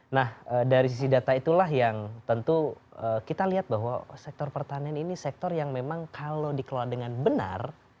nah dari sisi data itulah yang tentu kita lihat bahwa sektor pertanian ini sektor yang memang kalau dikelola dengan benar